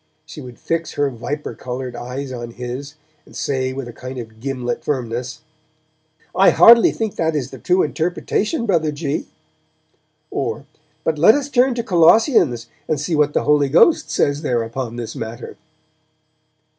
She would fix her viper coloured eyes on his, and say with a kind of gimlet firmness, 'I hardly think that is the true interpretation, Brother G.', or, 'But let us turn to Colossians, and see what the Holy Ghost says there upon this matter.'